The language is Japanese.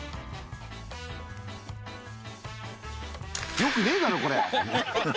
よくねえだろ、これ。